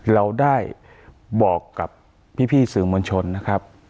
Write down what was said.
เราได้บอกกับพี่สื่อมวลชนนะครับ